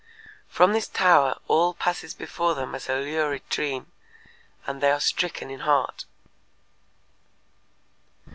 From this tower all passes before them as a lurid dream and they are stricken in heart.